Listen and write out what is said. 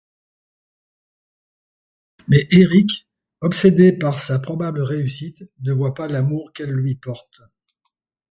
Mais Eric, obsédé par sa probable réussite, ne voit pas l'amour qu'elle lui porte.